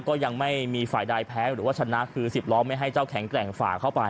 ก็ยังไม่มีฝ่ายใดแพ้หรือว่าชนะคือ๑๐ล้อไม่ให้เจ้าแข็งแกร่งฝ่าเข้าไป